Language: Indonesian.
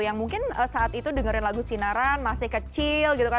yang mungkin saat itu dengerin lagu sinaran masih kecil gitu kan